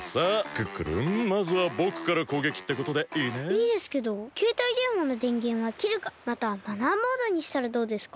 いいですけどけいたいでんわのでんげんはきるかまたはマナーモードにしたらどうですか？